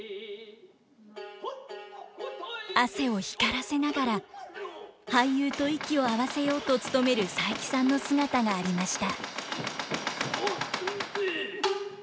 汗を光らせながら俳優と息を合わせようと努める佐伯さんの姿がありました。